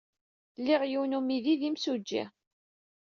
Liɣ yiwen n umidi d imsujji.